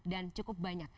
dan cukup banyak